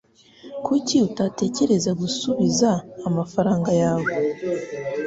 Kuki utagerageza gusubiza amafaranga yawe?